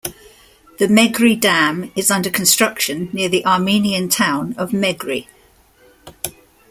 The Meghri Dam is under construction near the Armenian town of Meghri.